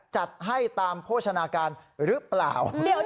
จัดให้ตามโภชนาการหรือเปล่า